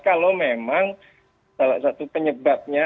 kalau memang salah satu penyebabnya